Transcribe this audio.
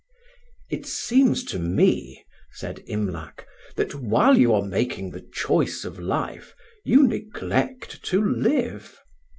"It seems to me," said Imlac, "that while you are making the choice of life you neglect to live.